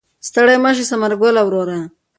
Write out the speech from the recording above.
ستړی مه شې ثمر ګله وروره.